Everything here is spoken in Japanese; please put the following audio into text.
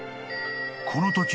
［このとき］